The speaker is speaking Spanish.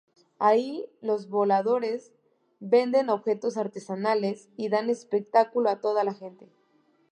Ahí, los voladores venden objetos artesanales, y dan espectáculo a toda la gente.